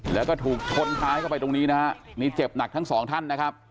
และก็ถูกท้นท้ายเข้าไปตรงนี้นะครับเป็นเจ็บหนักทั้งสองท่าน